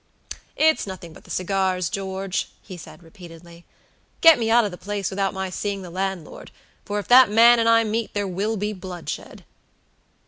"It's nothing but the cigars, George," he said, repeatedly. "Get me out of the place without my seeing the landlord; for if that man and I meet there will be bloodshed."